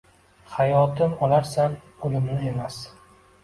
Hayotim olarsan, o‘limni emas.